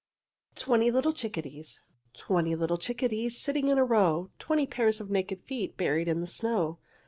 TWENTY LITTLE CHICKADEES Twenty little chickadees, Sitting in a row; Twenty pairs of naked feet Buried in the snow.